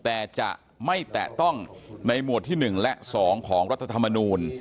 แต่จะไม่แตะต้องในหมวดที่๑และ๒ของรัฐธรรมนูล